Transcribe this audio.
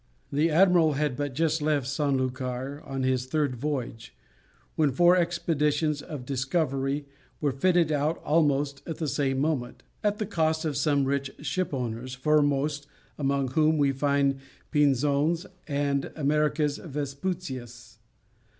The admiral had but just left San Lucar on his third voyage, when four expeditions of discovery were fitted out almost at the same moment, at the cost of some rich ship owners, foremost among whom we find the Pinzons and Americus Vespucius.